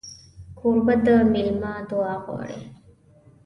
کوربه د مېلمه دعا غواړي.